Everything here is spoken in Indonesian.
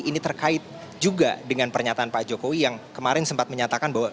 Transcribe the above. ini terkait juga dengan pernyataan pak jokowi yang kemarin sempat menyatakan bahwa